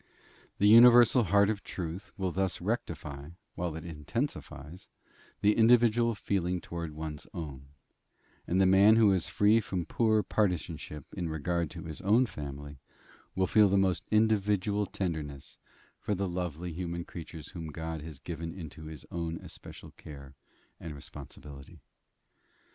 The universal heart of truth will thus rectify, while it intensifies, the individual feeling towards one's own; and the man who is most free from poor partisanship in regard to his own family, will feel the most individual tenderness for the lovely human creatures whom God has given into his own especial care and responsibility.